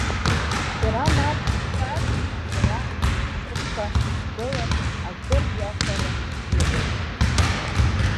Шәара мап шәҳәар, сара схьышьырхха сгылар, акыр иахәаран иҟоума!